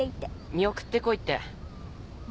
見送ってこいって。